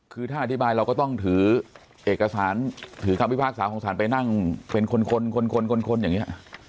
คือถ้าอธิบายเราก็ต้องถือเอกสารถือคำพิพากษาของสารไปนั่งเป็นคนคนอย่างนี้